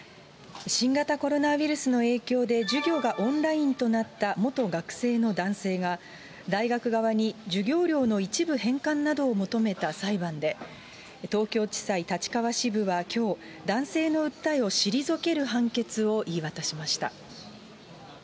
新型コロナウイルスの影響で、授業がオンラインとなった元学生の男性が、大学側に授業料の一部返還などを求めた裁判で、東京地裁立川支部はきょう、男性の訴えを退ける判決を言い渡しました。